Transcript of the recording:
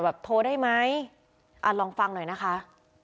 โทรได้ไหมอ่ะลองฟังหน่อยนะคะ